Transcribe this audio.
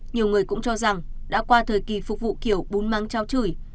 nhiều người cũng cho rằng đã qua thời kỳ phục vụ kiểu bún mắng cháo chửi